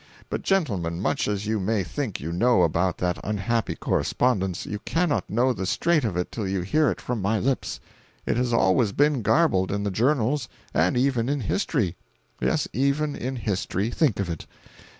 But gentlemen, much as you may think you know about that unhappy correspondence, you cannot know the straight of it till you hear it from my lips. It has always been garbled in the journals, and even in history. Yes, even in history—think of it!